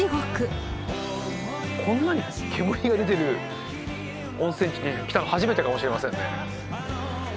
こんなに煙が出てる温泉地に来たの初めてかもしれませんね。